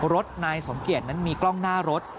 รถนายสมเกียจนั้นมีกล้องหน้ารถ